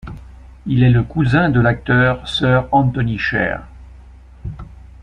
Il est le cousin de l'acteur Sir Anthony Sher.